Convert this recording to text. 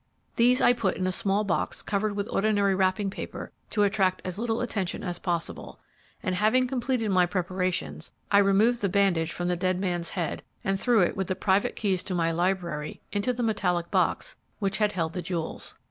These I put in a small box covered with ordinary wrapping paper to attract as little attention as possible,' and, having completed my preparations, I removed the bandage from the dead man's head and threw it with the private keys to my library into the metallic box which had held the jewels.